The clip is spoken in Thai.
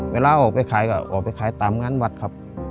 เวลาออกไปขายก็ออกไปขายตามงานวัดครับ